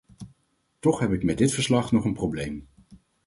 Toch heb ik met dit verslag nog een probleem.